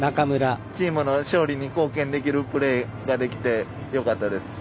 チームの勝利に貢献できるプレーができてよかったです。